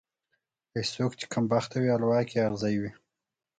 وایي: څوک چې کمبخته وي، حلوا کې یې ازغی وي.